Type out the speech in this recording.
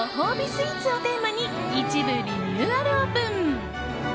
スイーツをテーマに一部、リニューアルオープン。